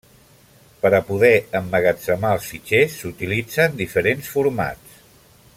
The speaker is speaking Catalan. Per a poder emmagatzemar els fitxers s'utilitzen diferents formats.